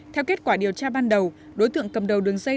theo kết quả điều tra ban đầu đối tượng cầm đầu đường dây